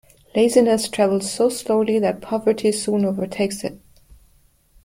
Laziness travels so slowly that poverty soon overtakes it.